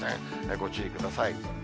ご注意ください。